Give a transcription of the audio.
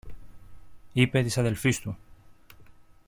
είπε της αδελφής του.